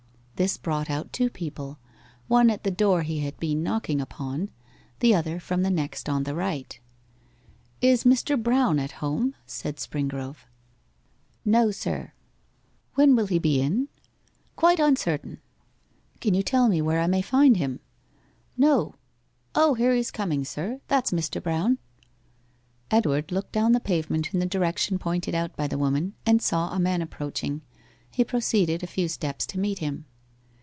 This brought out two people one at the door he had been knocking upon, the other from the next on the right. 'Is Mr. Brown at home?' said Springrove. 'No, sir.' 'When will he be in?' 'Quite uncertain.' 'Can you tell me where I may find him?' 'No. O, here he is coming, sir. That's Mr. Brown.' Edward looked down the pavement in the direction pointed out by the woman, and saw a man approaching. He proceeded a few steps to meet him.